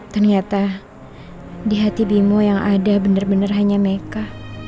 ternyata di hati bimo yang ada benar benar hanya mereka